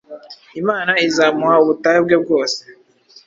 Imana izamuha ubutayu bwe bwose